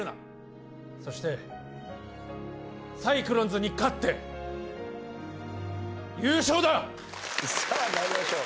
「そしてサイクロンズに勝って優勝だ」さあ参りましょう。